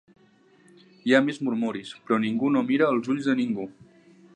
Hi ha més murmuris, però ningú no mira els ulls de ningú.